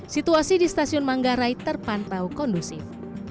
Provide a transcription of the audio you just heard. situasi di stasiun manggarai terpantau kondusif